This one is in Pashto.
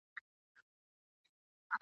لا درته ګوري ژوري کندي ..